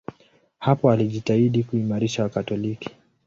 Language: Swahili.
Hapo alijitahidi kuimarisha Wakatoliki.